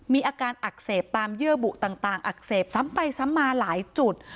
มีอาการอักเสบตามเยื่อบุต่างอักเสบซ้ำไปซ้ำมาหลายจุด